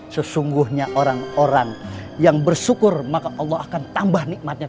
sesungguhnya orang orang yang bersyukur maka allah akan tambah nikmatnya